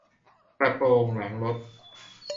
กระโปรงหลังรถ